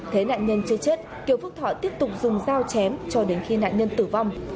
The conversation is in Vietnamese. thấy nạn nhân chưa chết kiều phúc thọ tiếp tục dùng dao chém cho đến khi nạn nhân tử vong